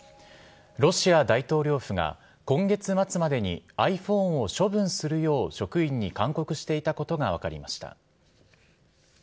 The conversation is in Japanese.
ロシア大統領府が、今月末までにｉＰｈｏｎｅを処分するよう職員に勧告していたことが分かりました。